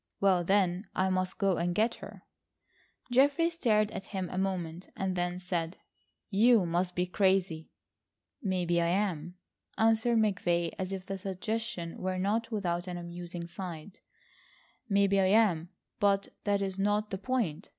"Well, then, I must go and get her." Geoffrey stared at him a moment, and then said: "You must be crazy." "Maybe I am," answered McVay, as if the suggestion were not without an amusing side. "Maybe I am, but that is not the point.